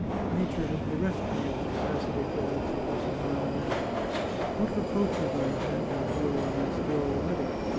Nature has bereft me of the capacity for that sort of sublime madness. What reproaches I have had to endure on that score already!